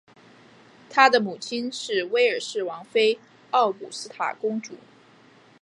他的母亲是威尔士王妃奥古斯塔公主。